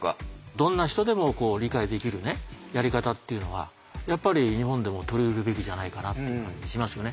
どんな人でも理解できるねやり方っていうのはやっぱり日本でも取り入れるべきじゃないかなっていう感じしますよね。